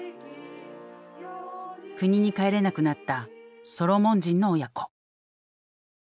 国に帰れなくなったソロモン人の親子。